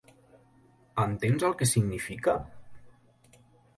Entens el que significa?